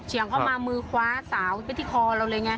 เข้ามามือคว้าสาวไปที่คอเราเลยไง